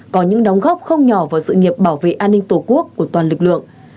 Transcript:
có những đóng góp không nhỏ vào sự nghiệp bảo vệ an ninh tổ quốc của toàn lực lượng